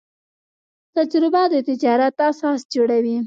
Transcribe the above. تجربه د تجارت اساس جوړوي.